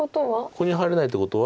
ここに入れないってことは。